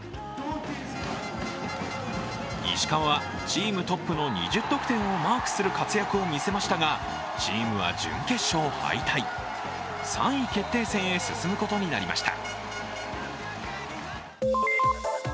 石川はチームトップの２０得点をマークする活躍を見せましたがチームは準決勝敗退、３位決定戦へ進むことになりました